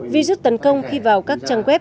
vi rút tấn công khi vào các trường hợp